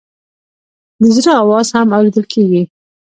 د زړه آواز هم اورېدل کېږي.